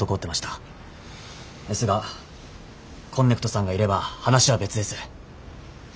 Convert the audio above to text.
ですがこんねくとさんがいれば話は別です。